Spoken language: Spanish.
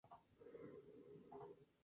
Su estilo es rico en lenguajes literarios.